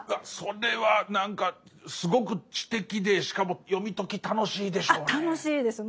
それは何かすごく知的でしかも読み解き楽しいでしょうね。